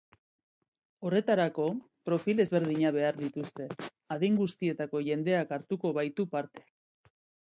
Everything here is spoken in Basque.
Horretarako, profil ezberdinak behar dituzte, adin guztietako jendeak hartuko baitu parte.